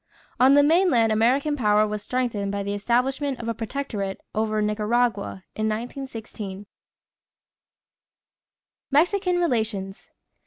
On the mainland American power was strengthened by the establishment of a protectorate over Nicaragua in 1916. =Mexican Relations.